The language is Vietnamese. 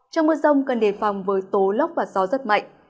trong mưa rông cần đề phòng với tố lốc và gió rất mạnh